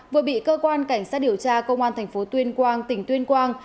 vừa bị cơ quan cảnh sát điều tra công an thành phố tuyên quang tỉnh tuyên quang